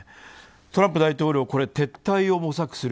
トランプ大統領は撤退を模索する。